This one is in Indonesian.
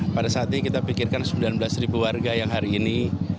pada saat ini kita pikirkan sembilan belas ribu warga yang hari ini